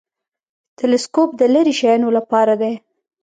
تلسکوپ د لیرې شیانو لپاره دی